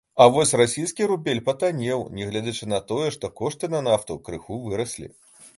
А вось расійскі рубель патаннеў, нягледзячы на тое, што кошты на нафту крыху выраслі.